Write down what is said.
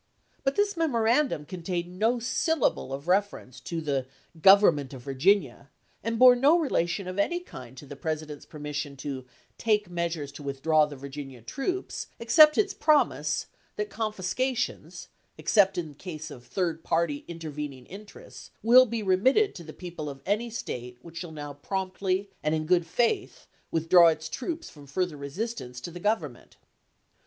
But this memorandum con tained no syllable of reference to the " government of Virginia," and bore no relation of any kind to the President's permission to "take measures to withdraw the Virginia troops," except its promise "that confiscations (except in case of third party intervening interests) will be remitted to the people of any State which shall now promptly and in good faith withdraw its troops from further resistance to the Government."